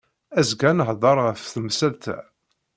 Azekka ad nehder ɣef temsalt-a.